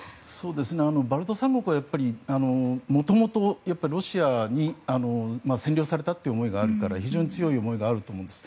バルト三国はもともとロシアに占領されたという思いがあるから非常に強い思いがあると思うんです。